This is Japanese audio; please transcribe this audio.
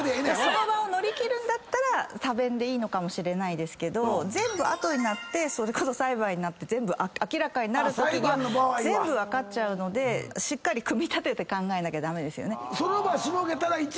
その場を乗り切るんなら多弁でいいのかもしれないですが全部後になってそれこそ裁判になって全部明らかになるときには全部分かっちゃうのでしっかり組み立てて考えなきゃ駄目です。